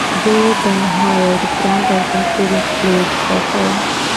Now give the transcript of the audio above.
They then hired Gram Parsons to replace Crosby.